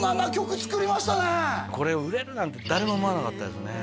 これ売れるなんて誰も思わなかったですね